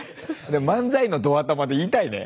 漫才のドアタマで言いたいね